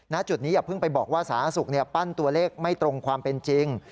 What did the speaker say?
จุดนี้อย่าเพิ่งไปบอกว่าสาธารณสุขปั้นตัวเลขไม่ตรงความเป็นจริง